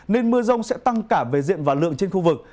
nên mưa rông sẽ tăng cả về diện và lượng trên khu vực